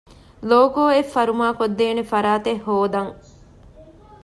ލޯގޯއެއް ފަރުމާކޮށްދޭނެ ފަރާތެއް ހޯދަން